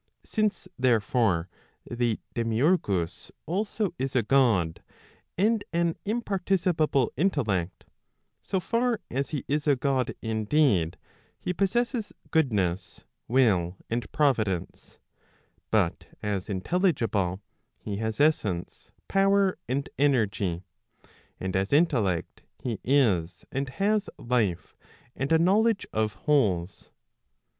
Since therefore, the demiurgus also is a God, and an imparticipable intellect, 80 far as he is a God indeed, he possesses goodness, will, and providence; but as intelligible, he has essence, power, and energy ; and as intellect, he is, and has life, and a knowledge of wholes.